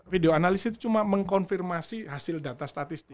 video analis itu cuma mengkonfirmasi hasil data statistik